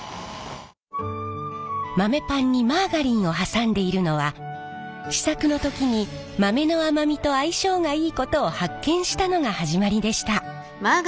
豆パンにマーガリンを挟んでいるのは試作の時に豆の甘みと相性がいいことを発見したのが始まりでした。